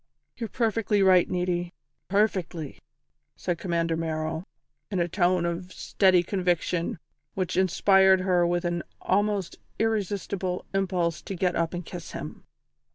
"You're perfectly right, Niti, perfectly," said Commander Merrill, in a tone of steady conviction which inspired her with an almost irresistible impulse to get up and kiss him.